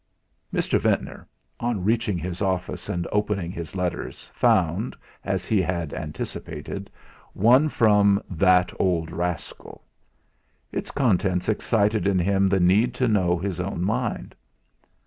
2 Mr. Ventnor, on reaching his office and opening his letters, found, as he had anticipated, one from "that old rascal." Its contents excited in him the need to know his own mind.